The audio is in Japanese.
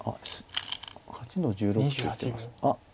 ８の十六って言ってます。